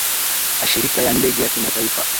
ashirika ya ndege ya kimataifa